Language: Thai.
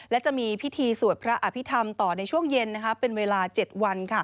และจะมีพิธีสวดพระอภิษฐรรมต่อในช่วงเย็นเป็นเวลา๗วัน